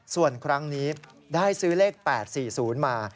ส่วนครั้งนี้ได้ซื้อเลข๘๔๐มา